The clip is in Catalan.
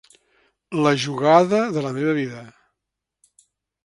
La jugada de la meva vida.